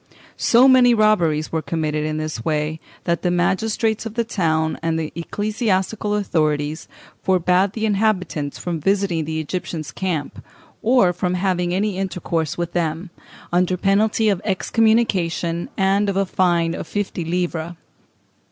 So many robberies were committed in this way, that the magistrates of the town and the ecclesiastical authorities forbad the inhabitants from visiting the Egyptians' camp, or from having any intercourse with them, under penalty of excommunication and of a fine of fifty livres.